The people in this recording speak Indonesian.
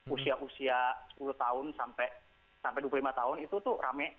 usia usia sepuluh tahun sampai dua puluh lima tahun itu tuh rame